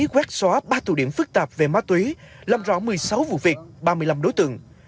quét xóa ba tù điểm phức tạp về má tuý làm rõ một mươi sáu vụ việc ba mươi năm đối tượng